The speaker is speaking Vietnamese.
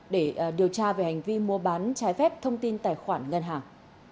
để điều tra về hành vi mua bán trái phép thông tin tài khoản ngân hàng